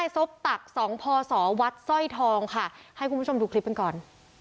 ที่ชอบตัก๒พศวัดซ่อยทองให้คุณผู้ชมดูคลิปก่อน